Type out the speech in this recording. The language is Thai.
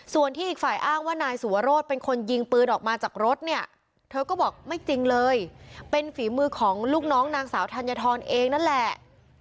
ส่วนที่อีกฝ่ายอ้างว่านายสุวรสเป็นคนยิงปืนออกมาจากรถเนี่ยเธอก็บอกไม่จริงเลยเป็นฝีมือของลูกน้องนางสาวธัญฑรเองนั่นแหละ